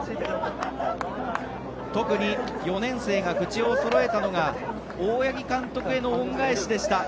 特に４年生が口をそろえたのが大八木監督への恩返しでした。